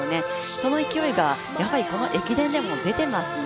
その勢いが駅伝でも出てますね。